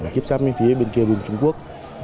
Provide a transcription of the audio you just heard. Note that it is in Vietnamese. kiếp sát bên phía bên kia vùng trung quốc